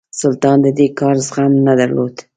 سلطان د دې کار زغم نه درلود.